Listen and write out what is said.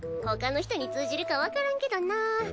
他の人に通じるかわからんけどなぁ。